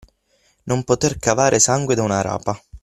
Non poter cavare sangue da una rapa.